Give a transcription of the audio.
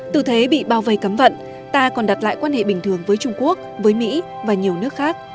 từ thế bị bao vây cấm vận ta còn đặt lại quan hệ bình thường với trung quốc với mỹ và nhiều nước khác